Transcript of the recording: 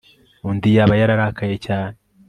Undi yaba yararakaye cyane